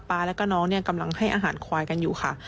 แล้วก็น้องเนี่ยกำลังให้อาหารควายกันอยู่ค่ะ